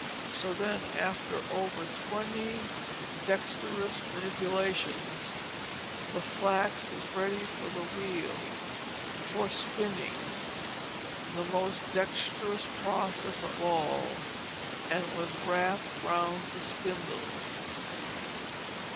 So then after over twenty dexterous manipulations the flax was ready for the wheel, for spinning, the most dexterous process of all, and was wrapped round the spindle.